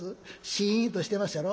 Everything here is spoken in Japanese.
シーンとしてまっしゃろ。